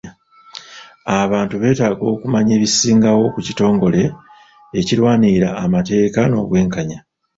Abantu beetaaga okumanya ebisingawo ku kitongole ekirwanirira amateeka n'obwenkanya.